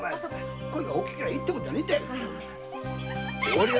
声が大きけりゃいいってもんじゃねえんだ。